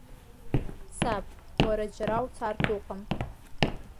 Саб, уара џьара уцартә уҟам.